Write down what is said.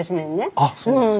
あっそうなんですね。